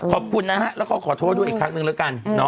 ขอบคุณแล้วก็ขอโทษอีกครั้งหนึ่งละกัน